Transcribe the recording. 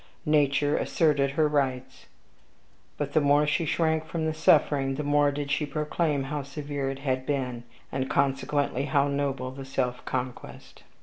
Nature asserted her rights. But the more she shrank from the suffering, the more did she proclaim how severe it had been, and consequently how noble the self conquest.